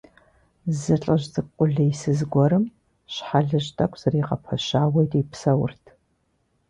Зы ЛӀыжь цӀыкӀу къулейсыз гуэрым щхьэлыжь тӀэкӀу зэригъэпэщауэ ирипсэурт.